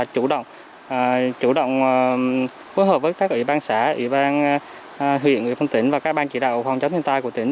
chủ động phối hợp với các ủy ban xã ủy ban huyện ủy phòng tỉnh và các bang chỉ đạo phòng chống thiên tai của tỉnh